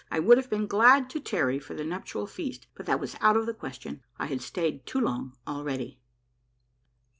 I would have been glad to tarry for the nuptial feast, but that was out of the question. I had stayed too long already.